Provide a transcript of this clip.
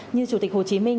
như chủ tịch hồ chí minh